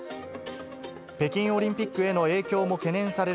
北京オリンピックへの影響も懸念される